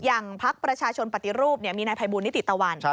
อย่างภักดิ์ประชาชนปฏิรูปมีนายภัยบุญนิติตะวัน